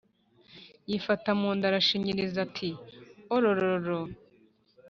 Yifata mu nda arashinyiriza ati: “Ororororo!